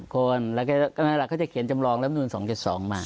๕๐คนแล้วก็กำลังจะเขียนจำลองรับนูน๒๗๒มา